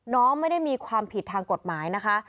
ไม่ได้มีความผิดทางกฎหมายนะคะ